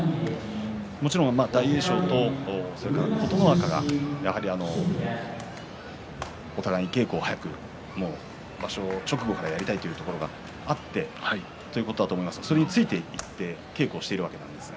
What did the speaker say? もちろん大栄翔と琴ノ若がお互いに稽古を早くやりたいということがあってということだと思いますがそれについていって稽古しているわけですね。